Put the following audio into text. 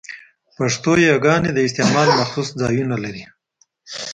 پښتو يګاني د استعمال مخصوص ځایونه لري؛